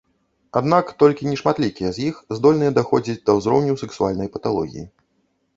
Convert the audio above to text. Аднак толькі нешматлікія з іх здольныя даходзіць да ўзроўню сексуальнай паталогіі.